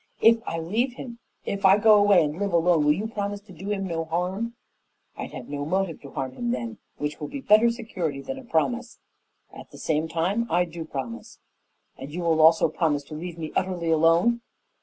"If I leave him if I go away and live alone, will you promise to do him no harm?" "I'd have no motive to harm him then, which will be better security than a promise. At the same time I do promise." "And you will also promise to leave me utterly alone?"